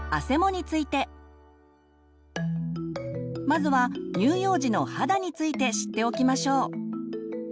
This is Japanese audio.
まずは乳幼児の肌について知っておきましょう。